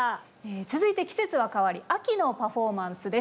続いて季節は変わり秋のパフォーマンスです。